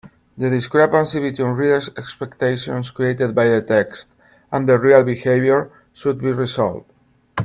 The discrepancy between reader’s expectations created by the text and the real behaviour should be resolved.